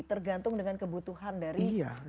tergantung dengan kebutuhan dari lingkungan itu